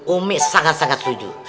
umi sangat sangat setuju